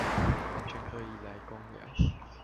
完全可以來工寮